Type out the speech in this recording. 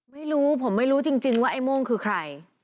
ไม่รู้ผมไม่รู้จริงว่าไอ้โม่งคือใคร